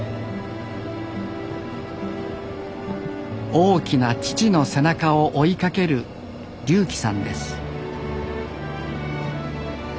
大きな父の背中を追いかける龍希さんです